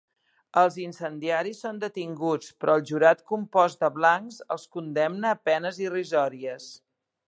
Els incendiaris són detinguts, però el jurat compost de blancs els condemna a penes irrisòries.